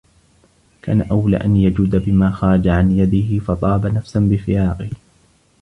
كَانَ أَوْلَى أَنْ يَجُودَ بِمَا خَرَجَ عَنْ يَدِهِ فَطَابَ نَفْسًا بِفِرَاقِهِ